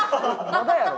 まだやろ。